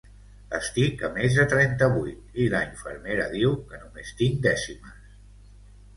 Estic a més de trenta-vuit i la infermera diu que només tinc dècimes